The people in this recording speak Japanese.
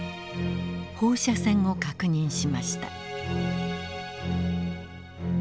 放射線を確認しました。